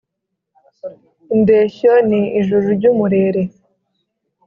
indeshyo ni ijuru ry’umurere,